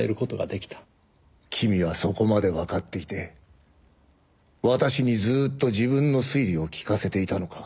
君はそこまでわかっていて私にずーっと自分の推理を聞かせていたのか？